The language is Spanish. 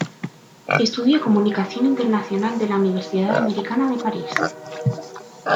Estudió Comunicación Internacional de la Universidad Americana de París.